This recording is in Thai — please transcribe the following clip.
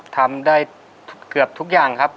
ครับผมทำได้เกือบทุกอย่างครับ